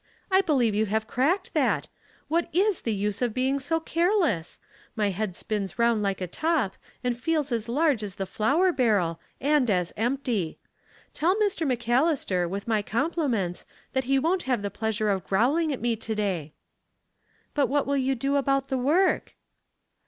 I believe you have cracked that. What is the use of being so careless? My head spins around like a top, and feels as large as the flour barrel and as empty. Tell '"C 542 Household PuzzUs, Mr. McAllister, with my compliments, that he won't have the pleasure of growling at me to day." "But what will you do about the work?"